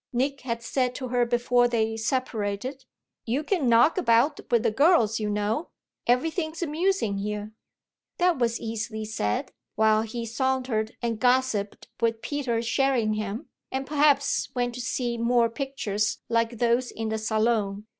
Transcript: Nick had said to her before they separated: "You can knock about with the girls, you know; everything's amusing here." That was easily said while he sauntered and gossiped with Peter Sherringham and perhaps went to see more pictures like those in the Salon.